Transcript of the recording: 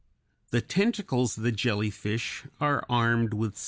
The tentacles of the jellyfish are armed with stings.